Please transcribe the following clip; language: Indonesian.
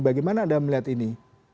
bagaimana anda melihat ini